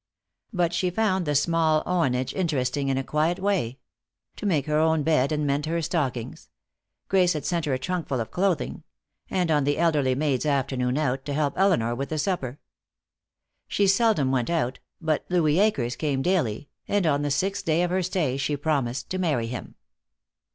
But she found the small oneage interesting, in a quiet way; to make her own bed and mend her stockings Grace had sent her a trunkful of clothing; and on the elderly maid's afternoon out, to help Elinor with the supper. She seldom went out, but Louis Akers came daily, and on the sixth day of her stay she promised to marry him.